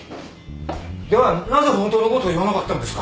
ではなぜ本当のこと言わなかったんですか？